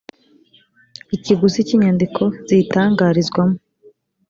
ikiguzi cy inyandiko ziyitangarizwamo